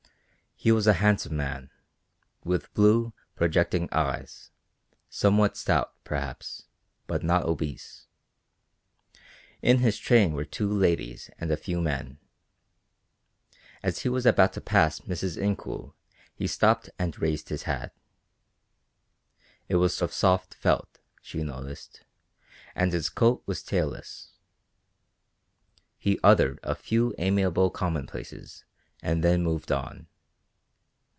He was a handsome man, with blue projecting eyes, somewhat stout, perhaps, but not obese. In his train were two ladies and a few men. As he was about to pass Mrs. Incoul he stopped and raised his hat. It was of soft felt, she noticed, and his coat was tailless. He uttered a few amiable commonplaces and then moved on.